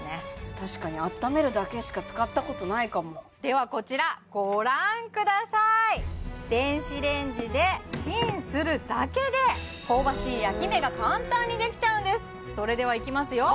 確かにあっためるだけしか使ったことないかもではこちらご覧ください電子レンジでチンするだけでできちゃうんですそれではいきますよ